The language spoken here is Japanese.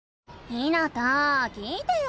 ひなた聞いてよ。